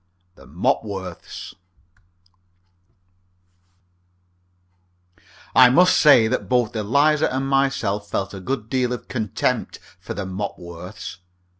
THE MOPWORTHS I must say that both Eliza and myself felt a good deal of contempt for the Mopworths.